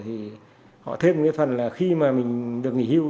thì họ thêm cái phần là khi mà mình được nghỉ hưu